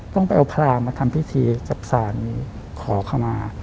ต้องไปเอาพรางมาทำพิธีกับสารขอขมา